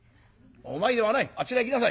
お前ではないあちらへ行きなさい」。